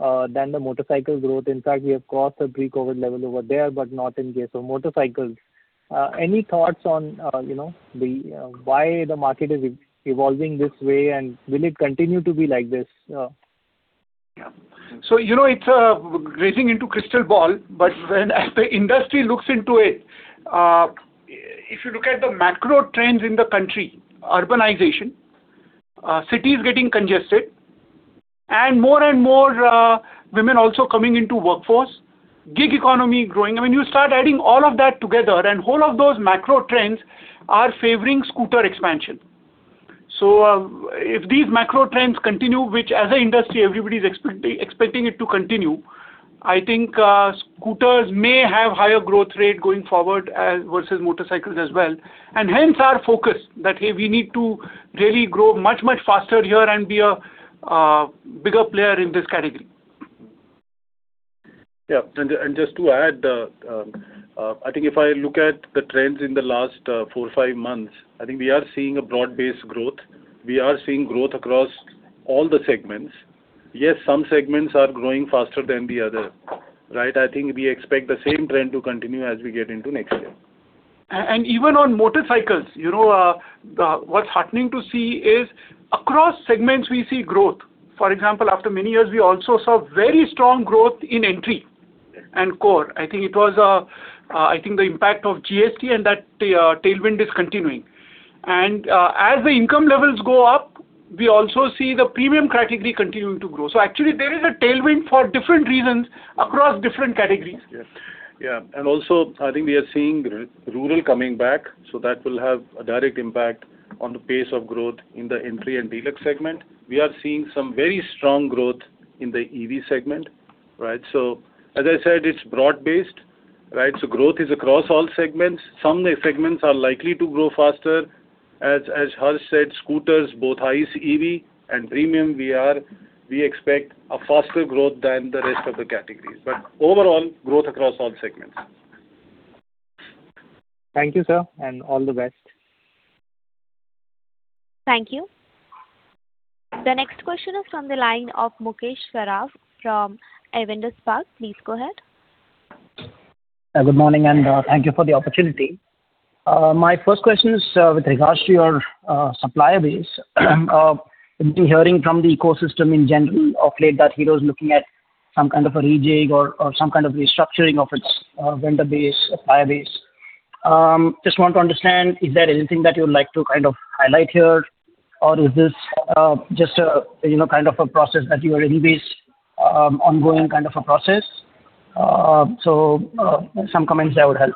than the motorcycle growth? In fact, we have crossed a pre-COVID level over there but not in the case of motorcycles. Any thoughts on why the market is evolving this way, and will it continue to be like this? Yeah. So it's gazing into a crystal ball. But when the industry looks into it, if you look at the macro trends in the country, urbanization, cities getting congested, and more and more women also coming into workforce, gig economy growing, I mean, you start adding all of that together, and all of those macro trends are favoring scooter expansion. So if these macro trends continue, which as an industry, everybody's expecting it to continue, I think scooters may have a higher growth rate going forward versus motorcycles as well and hence our focus that, "Hey, we need to really grow much, much faster here and be a bigger player in this category. Yeah. And just to add, I think if I look at the trends in the last 4-5 months, I think we are seeing a broad-based growth. We are seeing growth across all the segments. Yes, some segments are growing faster than the other, right? I think we expect the same trend to continue as we get into next year. Even on motorcycles, what's heartening to see is across segments, we see growth. For example, after many years, we also saw very strong growth in entry and core. I think it was the impact of GST and that tailwind is continuing. As the income levels go up, we also see the premium category continuing to grow. So actually, there is a tailwind for different reasons across different categories. Yeah. Yeah. Also, I think we are seeing rural coming back. So that will have a direct impact on the pace of growth in the entry and deluxe segment. We are seeing some very strong growth in the EV segment, right? So as I said, it's broad-based, right? So growth is across all segments. Some segments are likely to grow faster. As Harsh said, scooters, both ICE and EV and premium, we expect a faster growth than the rest of the categories. But overall, growth across all segments. Thank you, sir, and all the best. Thank you. The next question is from the line of Mukesh Saraf from Avendus Spark. Please go ahead. Good morning, and thank you for the opportunity. My first question is with regards to your supplier base. I've been hearing from the ecosystem in general of late that Hero is looking at some kind of a rejig or some kind of restructuring of its vendor base, supplier base. Just want to understand, is there anything that you would like to kind of highlight here, or is this just kind of a process that you are in this ongoing kind of a process? So some comments that would help.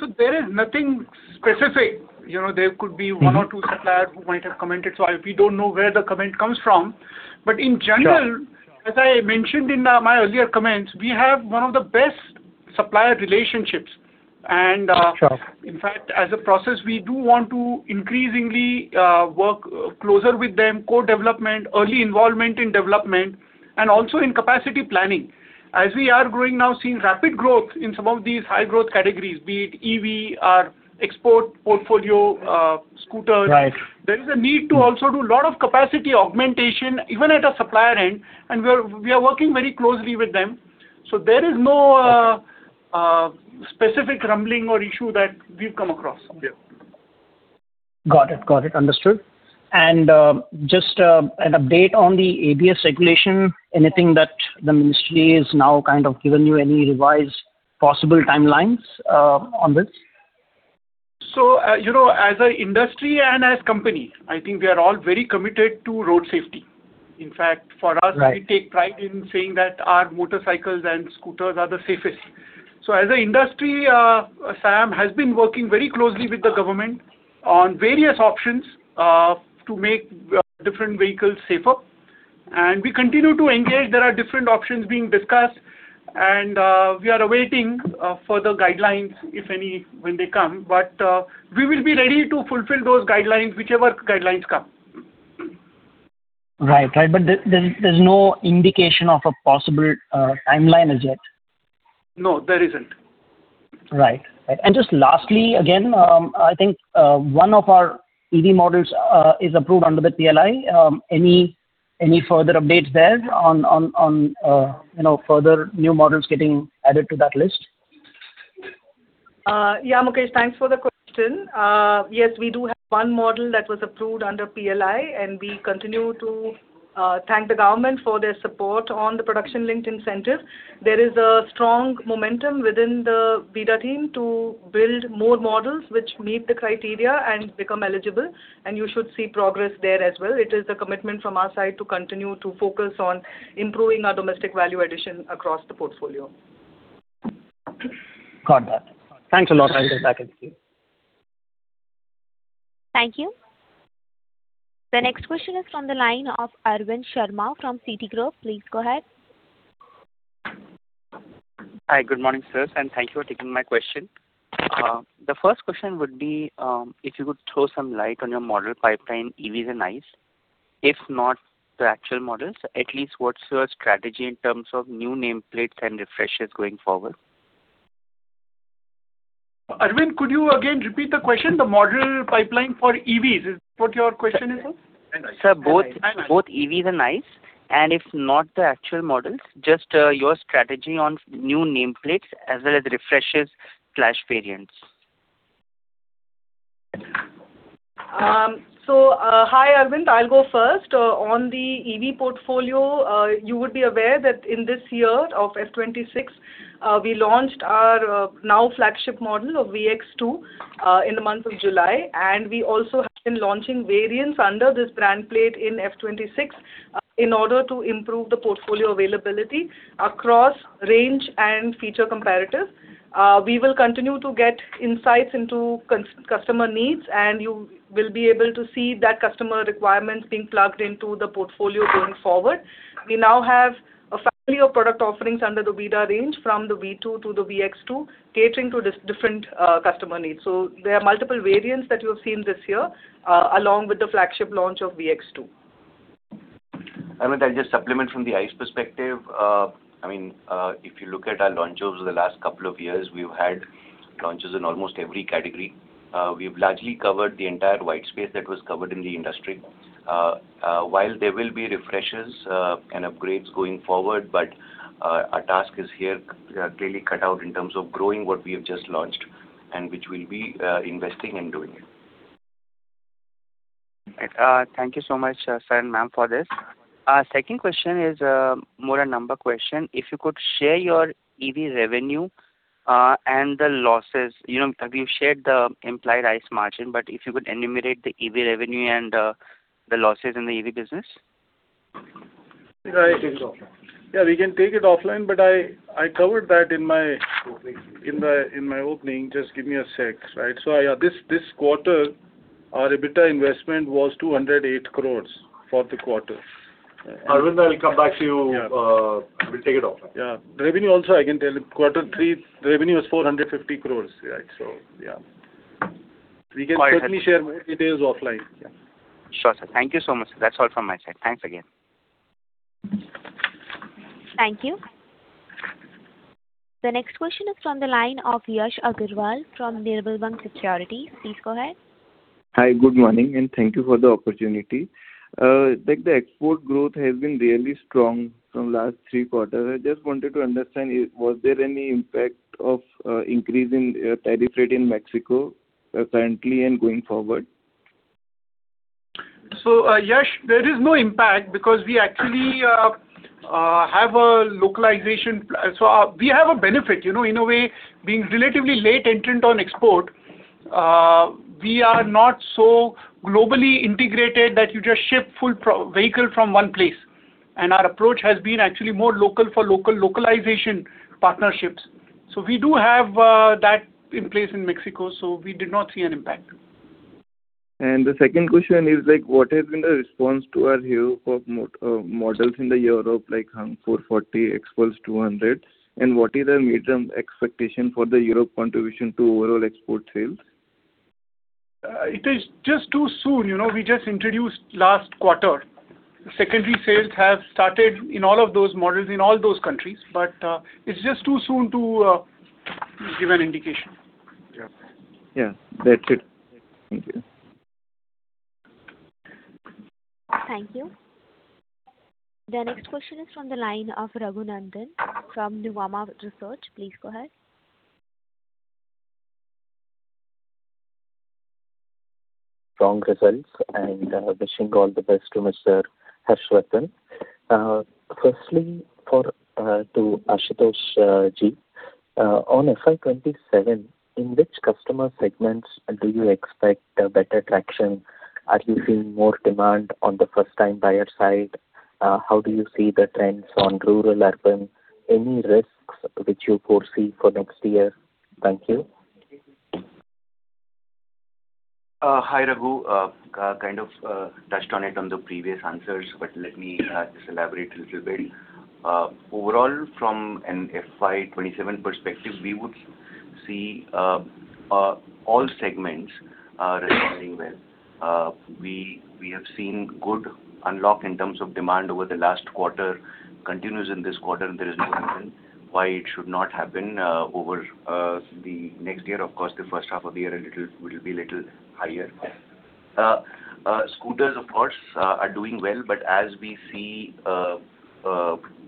So there is nothing specific. There could be one or two suppliers who might have commented. So we don't know where the comment comes from. But in general, as I mentioned in my earlier comments, we have one of the best supplier relationships. And in fact, as a process, we do want to increasingly work closer with them, co-development, early involvement in development, and also in capacity planning. As we are growing now, seeing rapid growth in some of these high-growth categories, be it EV, our export portfolio, scooters, there is a need to also do a lot of capacity augmentation even at a supplier end. And we are working very closely with them. So there is no specific rumbling or issue that we've come across. Got it. Got it. Understood. And just an update on the ABS regulation, anything that the ministry has now kind of given you, any revised possible timelines on this? So as an industry and as a company, I think we are all very committed to road safety. In fact, for us, we take pride in saying that our motorcycles and scooters are the safest. So as an industry, SIAM has been working very closely with the government on various options to make different vehicles safer. And we continue to engage. There are different options being discussed. And we are awaiting further guidelines, if any, when they come. But we will be ready to fulfill those guidelines, whichever guidelines come. Right. Right. But there's no indication of a possible timeline as yet? No, there isn't. Right. Right. And just lastly, again, I think one of our EV models is approved under the PLI. Any further updates there on further new models getting added to that list? Yeah, Mukesh, thanks for the question. Yes, we do have one model that was approved under PLI, and we continue to thank the government for their support on the production-linked incentive. There is a strong momentum within the VIDA team to build more models which meet the criteria and become eligible. You should see progress there as well. It is a commitment from our side to continue to focus on improving our domestic value addition across the portfolio. Got that. Thanks a lot, Ranjivjit Singh. Thank you. The next question is from the line of Arvind Sharma from Citi. Please go ahead. Hi. Good morning, sirs, and thank you for taking my question. The first question would be if you could throw some light on your model pipeline, EVs and ICEs. If not, the actual models, at least what's your strategy in terms of new nameplates and refreshes going forward? Arvind, could you again repeat the question? The model pipeline for EVs, is that what your question is on? Sir, both EVs and ICEs. And if not, the actual models, just your strategy on new nameplates as well as refreshes/variants. So hi, Arvind. I'll go first. On the EV portfolio, you would be aware that in this year of FY 2026, we launched our now flagship model of Vida V1 Pro in the month of July. And we also have been launching variants under this brand plate in FY 2026 in order to improve the portfolio availability across range and feature comparative. We will continue to get insights into customer needs, and you will be able to see that customer requirements being plugged into the portfolio going forward. We now have a family of product offerings under the VIDA range from the Vida V1 to the Vida V1 Pro, catering to different customer needs. So there are multiple variants that you have seen this year along with the flagship launch of Vida V1 Pro. Arvind, I'll just supplement from the ICE perspective. I mean, if you look at our launches over the last couple of years, we've had launches in almost every category. We've largely covered the entire whitespace that was covered in the industry. While there will be refreshes and upgrades going forward, but our task is here clearly cut out in terms of growing what we have just launched and which we'll be investing in doing it. Thank you so much, sir and ma'am, for this. Second question is more a number question. If you could share your EV revenue and the losses? Have you shared the implied ICE margin, but if you could enumerate the EV revenue and the losses in the EV business? Yeah, we can take it offline. Yeah, we can take it offline, but I covered that in my opening. Just give me a sec, right? So this quarter, our EBITDA investment was 208 crore for the quarter. Arvind, I'll come back to you. We'll take it offline. Yeah. Revenue also, I can tell you, quarter three, revenue was 450 crore, right? So yeah. We can certainly share more details offline. Sure, sir. Thank you so much. That's all from my side. Thanks again. Thank you. The next question is from the line of Yash Agarwal from Nirmal Bang Securities. Please go ahead. Hi. Good morning, and thank you for the opportunity. The export growth has been really strong from last three quarters. I just wanted to understand, was there any impact of increase in tariff rate in Mexico currently and going forward? So, Yash, there is no impact because we actually have a localization so we have a benefit. In a way, being relatively late entrant on export, we are not so globally integrated that you just ship full vehicle from one place. And our approach has been actually more local for local localization partnerships. So we do have that in place in Mexico, so we did not see an impact. The second question is, what has been the response to our Hero models in Europe, like Hunk 440, Xpulse 200? And what is the mid-term expectation for the Europe contribution to overall export sales? It is just too soon. We just introduced last quarter. Secondary sales have started in all of those models in all those countries, but it's just too soon to give an indication. Yeah. Yeah. That's it. Thank you. Thank you. The next question is from the line of Raghunandan from Nuvama Research. Please go ahead. Strong results and wishing all the best to Mr. Ashutosh. Firstly, to Ashutosh Ji, on, FY 2027 which customer segments do you expect better traction? Are you seeing more demand on the first-time buyer side? How do you see the trends on rural/urban? Any risks which you foresee for next year? Thank you. Hi, Raghu. Kind of touched on it on the previous answers, but let me just elaborate a little bit. Overall, from an FY 2027 perspective, we would see all segments responding well. We have seen good unlock in terms of demand over the last quarter, continues in this quarter, and there is no reason why it should not happen over the next year. Of course, the first half of the year will be a little higher. Scooters, of course, are doing well, but as we see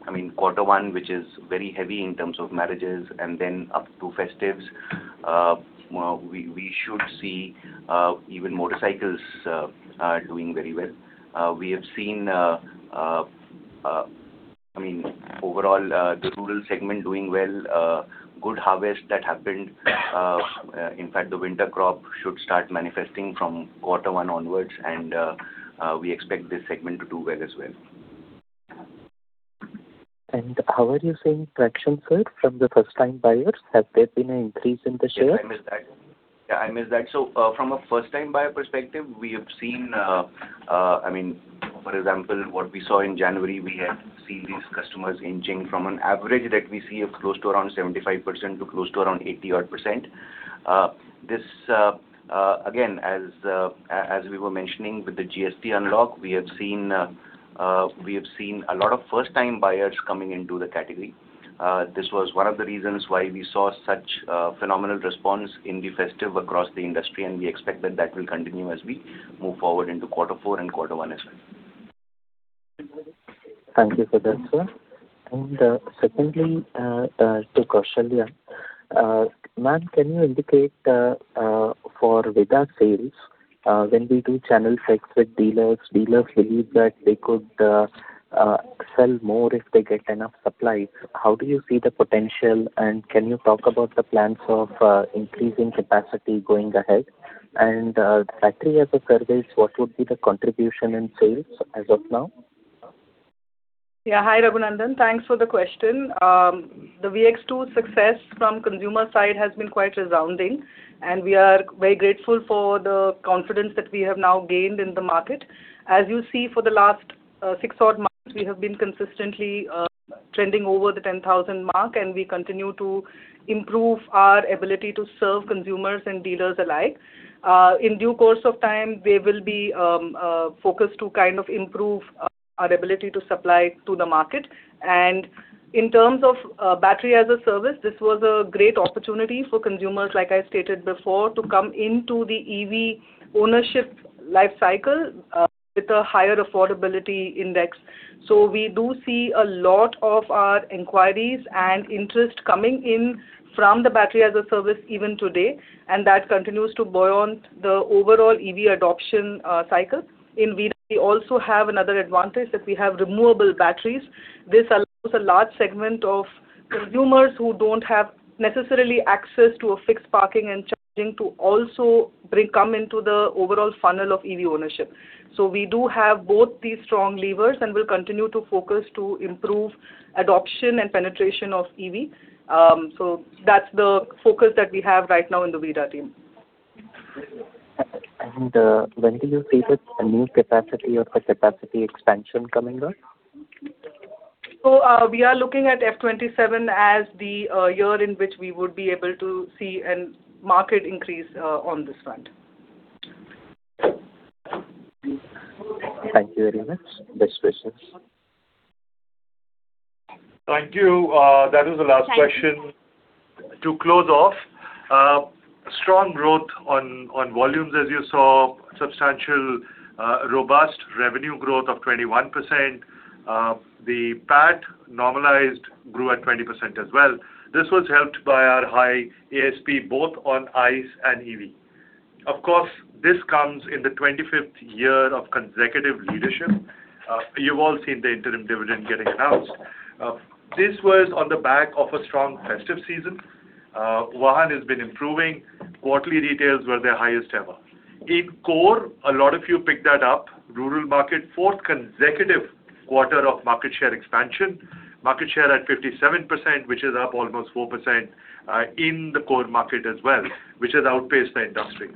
I mean, quarter one, which is very heavy in terms of marriages and then up to festives, we should see even motorcycles doing very well. We have seen I mean, overall, the rural segment doing well, good harvest that happened. In fact, the winter crop should start manifesting from quarter one onwards, and we expect this segment to do well as well. How are you seeing traction, sir, from the first-time buyers? Has there been an increase in the share? Yeah, I missed that. Yeah, I missed that. So from a first-time buyer perspective, we have seen, I mean, for example, what we saw in January, we had seen these customers inching from an average that we see of close to around 75% to close to around 80-odd percent. Again, as we were mentioning with the GST unlock, we have seen a lot of first-time buyers coming into the category. This was one of the reasons why we saw such phenomenal response in the festive across the industry, and we expect that that will continue as we move forward into quarter four and quarter one as well. Thank you for that, sir. Secondly, to Kausalya ma'am, can you indicate for VIDA sales, when we do channel fix with dealers, dealers believe that they could sell more if they get enough supplies? How do you see the potential, and can you talk about the plans of increasing capacity going ahead? The battery as a service, what would be the contribution in sales as of now? Yeah. Hi, Raghu Nandan. Thanks for the question. The Vida V1 Pro success from consumer side has been quite resounding, and we are very grateful for the confidence that we have now gained in the market. As you see, for the last six-odd months, we have been consistently trending over the 10,000 mark, and we continue to improve our ability to serve consumers and dealers alike. In due course of time, they will be focused to kind of improve our ability to supply to the market. And in terms of battery as a service, this was a great opportunity for consumers, like I stated before, to come into the EV ownership lifecycle with a higher affordability index. So we do see a lot of our inquiries and interest coming in from the battery as a service even today, and that continues to buoy the overall EV adoption cycle in VIDA. We also have another advantage that we have removable batteries. This allows a large segment of consumers who don't have necessarily access to a fixed parking and charging to also come into the overall funnel of EV ownership. So we do have both these strong levers and will continue to focus to improve adoption and penetration of EV. So that's the focus that we have right now in the VIDA team. When do you see that a new capacity or capacity expansion coming up? We are looking at FY 2027 as the year in which we would be able to see a market increase on this front. Thank you very much. Best wishes. Thank you. That was the last question. To close off, strong growth on volumes as you saw, substantial, robust revenue growth of 21%. The PAT normalized grew at 20% as well. This was helped by our high ASP both on ICE and EV. Of course, this comes in the 25th year of consecutive leadership. You've all seen the interim dividend getting announced. This was on the back of a strong festive season. Vahan has been improving. Quarterly retails were their highest ever. In core, a lot of you picked that up, rural market, fourth consecutive quarter of market share expansion, market share at 57%, which is up almost 4% in the core market as well, which has outpaced the industry.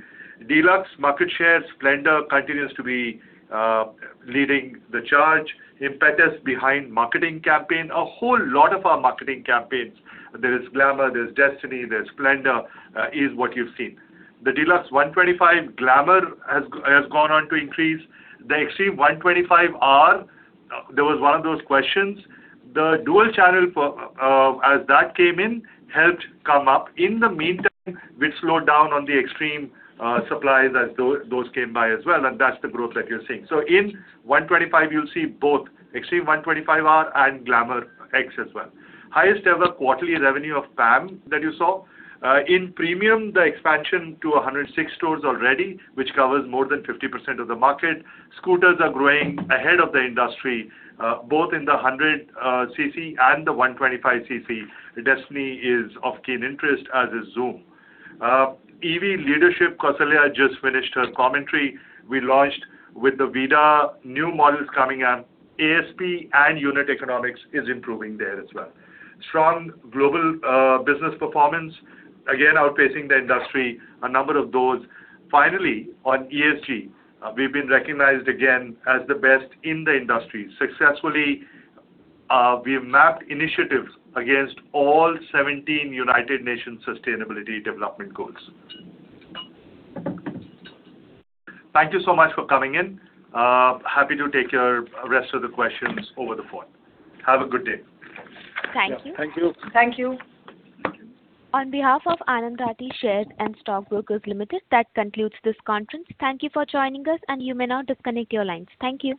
Deluxe market share, Splendor continues to be leading the charge, impetus behind marketing campaign, a whole lot of our marketing campaigns. There is Glamour, there's Destini, there's Splendor, which is what you've seen. The Deluxe 125, Glamour has gone on to increase. The Xtreme 125R, there was one of those questions. The dual channel, as that came in, helped come up. In the meantime, we'd slowed down on the Xtreme supplies as those came by as well, and that's the growth that you're seeing. So in 125, you'll see both Xtreme 125R and Glamour XTEC as well. Highest ever quarterly revenue of PAM that you saw. In premium, the expansion to 106 stores already, which covers more than 50% of the market. Scooters are growing ahead of the industry, both in the 100cc and the 125cc. Destini is of keen interest as is Xoom. EV leadership, Kausalya just finished her commentary. We launched with the VIDA new models coming out. ASP and unit economics is improving there as well. Strong global business performance, again, outpacing the industry, a number of those. Finally, on ESG, we've been recognized again as the best in the industry. Successfully, we've mapped initiatives against all 17 United Nations Sustainable Development Goals. Thank you so much for coming in. Happy to take your rest of the questions over the phone. Have a good day. Thank you. Thank you. Thank you. On behalf of Anand Rathi Share and Stock Brokers Limited, that concludes this conference. Thank you for joining us, and you may now disconnect your lines. Thank you.